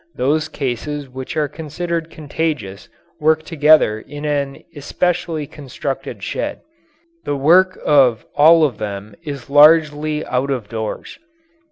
Those cases which are considered contagious work together in an especially constructed shed. The work of all of them is largely out of doors.